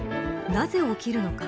なぜ起きるのか。